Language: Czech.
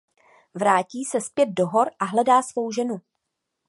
Vrátí se zpět do hor a hledá svou ženu.